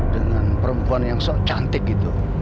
dengan perempuan yang cantik gitu